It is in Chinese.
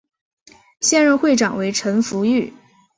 现任会长为陈福裕。